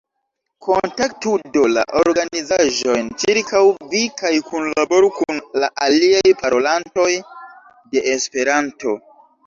Kontaktu, do, la organizaĵojn ĉirkaŭ vi kaj kunlaboru kun la aliaj parolantoj de Esperanto.